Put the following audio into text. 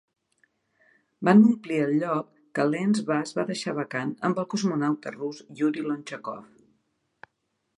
Van omplir el lloc que Lance Bass va deixar vacant amb el cosmonauta rus Yuri Lonchakov.